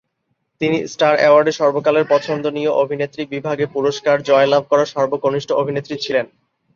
তিনি স্টার অ্যাওয়ার্ডে "সর্বকালের পছন্দনীয় অভিনেত্রী" বিভাগে পুরস্কার জয়লাভ করা সর্বকনিষ্ঠ অভিনেত্রী ছিলেন।